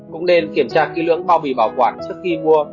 cũng nên kiểm tra kỹ lưỡng bao bì bảo quản trước khi mua